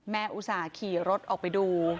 อุตส่าห์ขี่รถออกไปดู